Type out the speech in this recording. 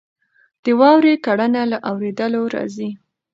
د واورې کړنه له اورېدلو راځي.